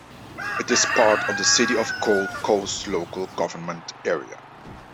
It is part of the City of Gold Coast local government area.